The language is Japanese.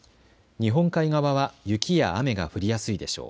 日本海側は雪や雨が降りやすいでしょう。